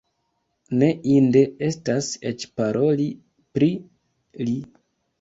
Ne inde estas eĉ paroli pri li!